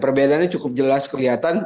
perbedaannya cukup jelas kelihatan